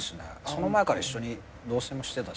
その前から一緒に同棲もしてたし。